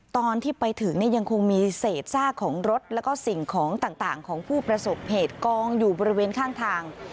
ตอนที่ไปถึงเนี่ยยังคงมีเศษซากของรถแล้วก็สิ่งของต่างของผู้ประสบเหตุกองอยู่บริเวณข้างทาง